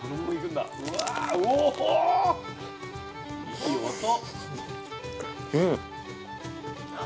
いい音。